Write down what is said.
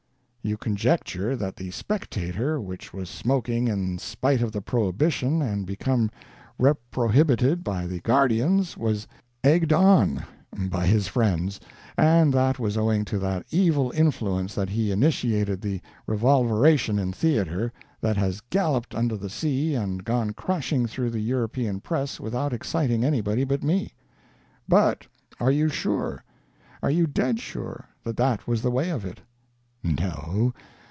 You conjecture that the spectator which was smoking in spite of the prohibition and become reprohibited by the guardians, was "egged on" by his friends, and that was owing to that evil influence that he initiated the revolveration in theater that has galloped under the sea and come crashing through the European press without exciting anybody but me. But are you sure, are you dead sure, that that was the way of it? No.